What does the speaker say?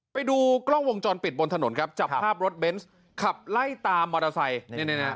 ไปดูกล้องวงจรปิดบนถนนครับจับภาพรถเบนส์ขับไล่ตามมอเตอร์ไซค์เนี่ยนะ